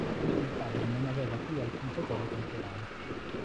Il padre non aveva più alcun potere temporale.